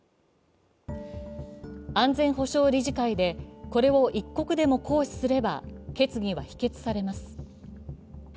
安全保障理事会でこれを１国でも行使すれば決議は否決されます。